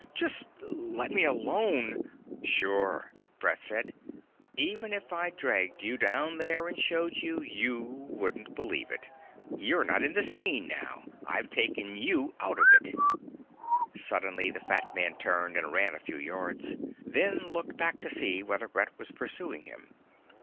Just let me alone ..." "Sure," Brett said. "Even if I dragged you down there and showed you, you wouldn't believe it. But you're not in the scene now. I've taken you out of it " Suddenly the fat man turned and ran a few yards, then looked back to see whether Brett was pursuing him.